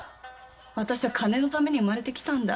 私は金のために生まれてきたんだ。